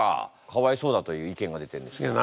かわいそうだという意見が出てるんですけど。